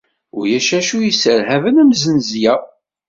Ulac acu yesserhaben am zznezla.